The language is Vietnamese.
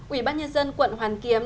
ủy ban nhân dân quận hoàn kiếm